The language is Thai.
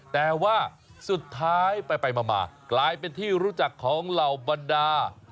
แต่ว่าสุดท้ายไปมากลายเป็นที่รู้จักของเหล่าบรรดา